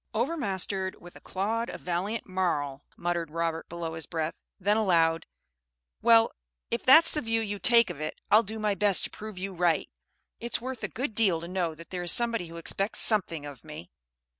"'Overmastered with a clod of valiant marl,'" muttered Robert below his breath; then aloud, "Well, if that's the view you take of it, I'll do my best to prove you right. It's worth a good deal to know that there is somebody who expects something of me."